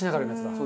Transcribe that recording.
そう。